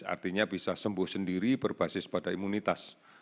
artinya bisa sembuh sendiri berbasis pada imunitas